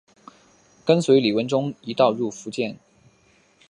跟随李文忠一道入福建。